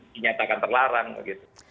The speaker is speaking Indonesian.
dinyatakan terlarang gitu